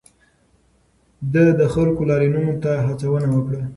ده د خلکو لاریونونو ته هڅونه وکړه.